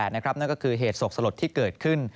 นั่นก็คือเหตุโศกสลดที่เกิดขึ้น